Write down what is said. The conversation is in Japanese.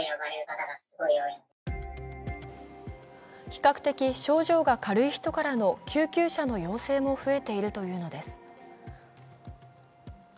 比較的症状が軽い人からの救急車の要請も増えているというのです。